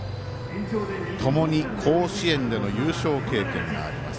ともに甲子園での優勝経験があります。